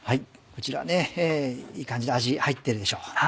こちらねいい感じで味入ってるでしょ。